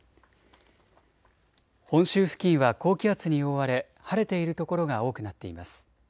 本州付近は高気圧に覆われ晴れている所が多くなっています。